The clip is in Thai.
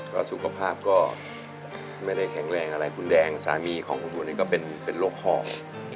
ก็สุขภาพก็ไม่ได้แข็งแรงอะไรคุณแดงสามีของคุณปู่นี่ก็เป็นโรคห่อง